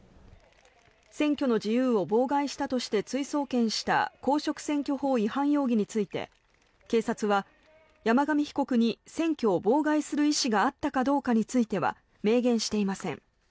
選挙の自由を妨害したとして追送検した公職選挙法違反容疑について警察は、山上被告に選挙を妨害する意思があったかどうかについては明言していません。